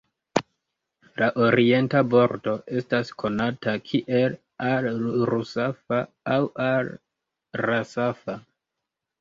La orienta bordo estas konata kiel Al-Rusafa aŭ Al-Rasafa.